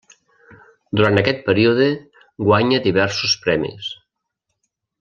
Durant aquest període guanya diversos premis.